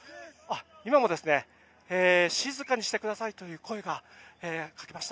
今も静かにしてくださいという声がありました。